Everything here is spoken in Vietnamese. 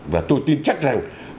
và tôi tin chắc rằng